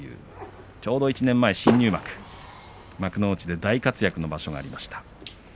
ちょうど１年前、新入幕幕内で大活躍の場所がありました。